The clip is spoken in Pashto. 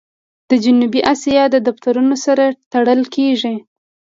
د جنوبي آسیا د دفترونو سره تړل کېږي.